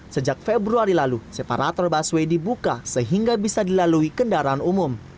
sejak februari lalu separator busway dibuka sehingga bisa dilalui kendaraan umum